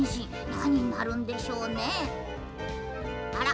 なにになるんでしょうね。